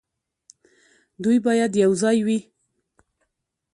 دوی باید یوځای وي.